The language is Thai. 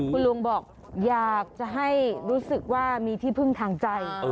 คุณลุงบอกอยากจะให้รู้สึกว่ามีที่พึ่งทางใจ